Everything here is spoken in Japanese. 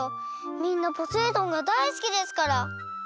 みんなポセイ丼がだいすきですから。